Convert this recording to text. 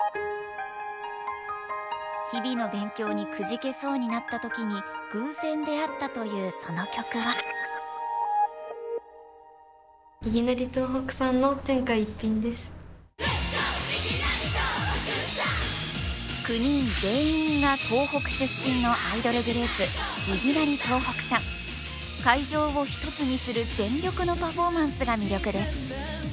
日々の勉強にくじけそうになったときに偶然出会ったというその曲は９人全員が会場を一つにする全力のパフォーマンスが魅力です。